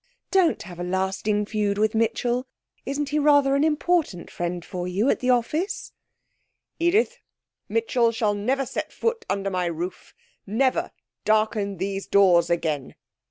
Don't have a lasting feud with Mitchell isn't he rather an important friend for you at the office?' 'Edith, Mitchell shall never set foot under my roof never darken these doors again!'